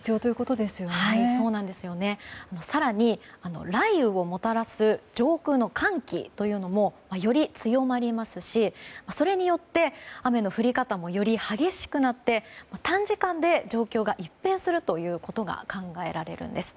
更に、雷雨をもたらす上空の寒気というのもより強まりますしそれによって雨の降り方もより激しくなって短時間で状況が一変するということが考えられるんです。